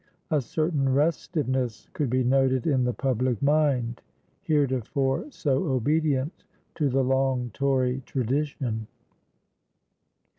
A certain restiveness could be noted in the public mind, heretofore so obedient to the long Tory tradition.